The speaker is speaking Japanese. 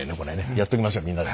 やっときましょうみんなで。